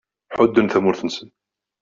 Ḥudden tamurt-nnsen.